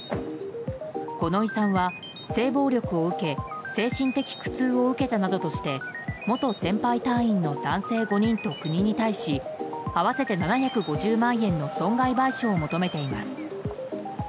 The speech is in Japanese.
五ノ井さんは、性暴力を受け精神的苦痛を受けたなどとして元先輩隊員の男性５人と国に対し合わせて７５０万円の損害賠償を求めています。